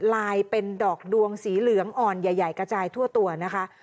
ลายเป็นดอกดวงสีเหลืองอ่อนใหญ่กระจายทั่วตัวนะคะ